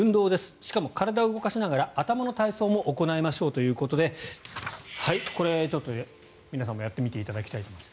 しかも体を動かしながら頭の体操も行いましょうということでこれ、ちょっと皆さんもやっていただきたいと思います。